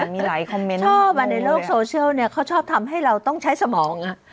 ในโลกโซเชียลเขาชอบตามให้เราต้องใช้สมอง